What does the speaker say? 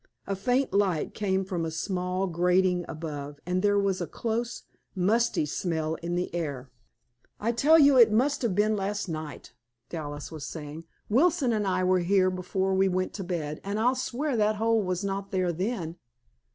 A faint light came from a small grating above, and there was a close, musty smell in the air. "I tell you it must have been last night," Dallas was saying. "Wilson and I were here before we went to bed, and I'll swear that hole was not there then."